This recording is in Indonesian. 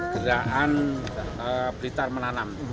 gerakan blitar menanam